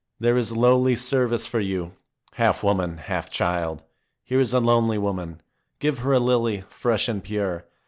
There is lowly service for you, half woman, half child. Here is a lonely woman. Give her a lily, fresh and pure.